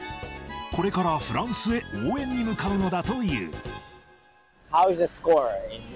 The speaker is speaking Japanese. これからフランスへ応援に向かうのだという。